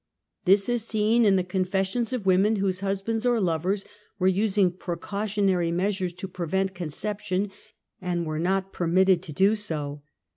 This is seen in the confessions of women whose husbands or lovers were using precautionary measures to prevent conception, and were not permitted to do so.